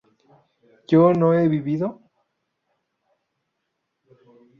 ¿yo no he vivido?